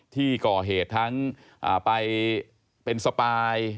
ที่ก่อเหตุทั้งไปเป็นสปาย